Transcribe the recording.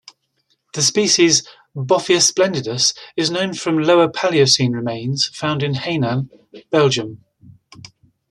The species "Boffius splendidus" is known from Lower Paleocene remains found in Hainin, Belgium.